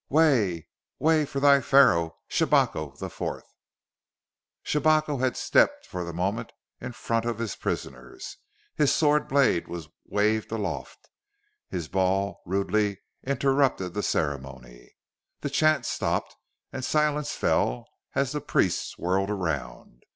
"Way! Way for thy Pharaoh, Shabako the Fourth!" Shabako had stepped for the moment in front of his prisoners. His sword blade was waved aloft; his bawl rudely interrupted the ceremony. The chant stopped, and silence fell as the priests whirled around.